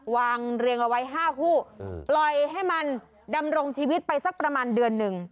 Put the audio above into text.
วางเรียงเอาไว้๕คู่ปล่อยให้มันดำรงชีวิตไปสักประมาณเดือนหนึ่ง